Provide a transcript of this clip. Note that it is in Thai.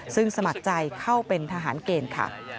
ซึ่งสมัครใจเข้าเป็นทหารเกณฑ์ค่ะ